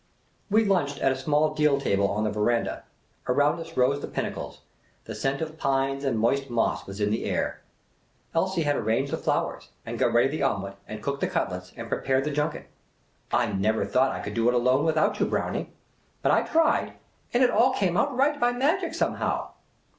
We lunched at a small deal table on the veranda. Around us rose the pinnacles. The scent of pines and moist moss was in the air. Elsie had arranged the flowers, and got ready the omelette, and cooked the cutlets, and prepared the junket. " I never thought I could do it alone with out you. Brownie ; but I tried, and it all came right by magic, somehow."